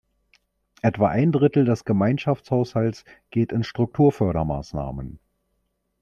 Etwa ein Drittel des Gemeinschaftshaushalts geht in Strukturfördermaßnahmen.